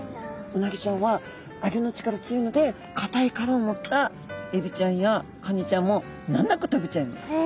うなぎちゃんはあごの力強いのでかたいからを持ったエビちゃんやカニちゃんも難なく食べちゃいます。